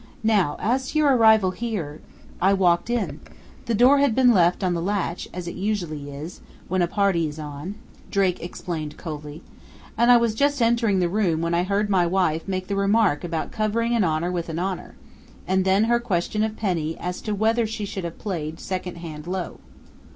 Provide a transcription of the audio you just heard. "Now as to your arrival here " "I walked in. The door had been left on the latch, as it usually is, when a party is on," Drake explained coldly. "And I was just entering the room when I heard my wife make the remark about covering an honor with an honor, and then her question of Penny as to whether she should have played second hand low."